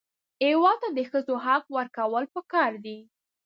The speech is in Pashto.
هېواد ته د ښځو حق ورکول پکار دي